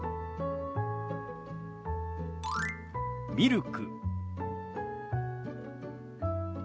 「ミルク」。